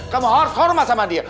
kamu hormat sama dia